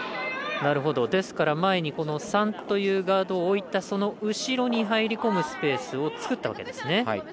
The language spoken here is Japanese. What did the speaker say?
前に３というガードを置いたその後ろに入り込むスペースを作ったわけですね。